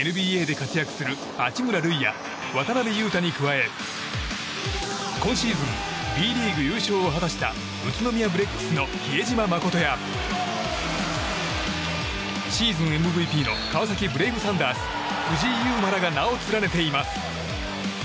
ＮＢＡで活躍する八村塁や渡邊雄太に加え今シーズンＢリーグ優勝を果たした宇都宮ブレックスの比江島慎や、シーズンＭＶＰの川崎ブレイブサンダース藤井祐眞らが名を連ねています。